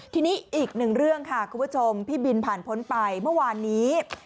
ทีนี้อีกหนึ่งเรื่องค่ะคุณผู้ชมพี่บินผ่านพ้นไปเมื่อวานนี้